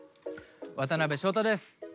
渡辺翔太です。